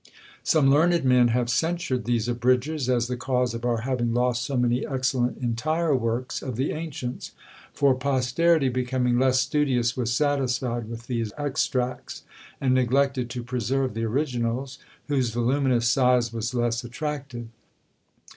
Some learned men have censured these Abridgers as the cause of our having lost so many excellent entire works of the ancients; for posterity becoming less studious was satisfied with these extracts, and neglected to preserve the originals, whose voluminous size was less attractive.